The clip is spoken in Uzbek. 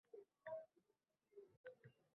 eng bosh sovringa ega bo‘ldi.